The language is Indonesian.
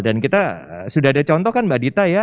dan kita sudah ada contoh kan mbak dita ya